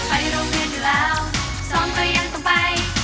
ไปโรงเมืองเดียวแล้วซ้องต้วยยังต้องไป